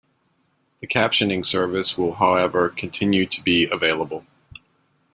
The captioning service will however continue to be available.